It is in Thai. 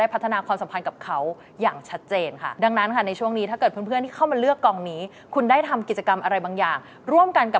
เพราะอะไรรู้ไหมคะ